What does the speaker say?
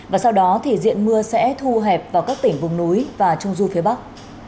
và sau đó thì diện mưa sẽ thu hẹp vào các tỉnh vùng núi và trung du phía bắc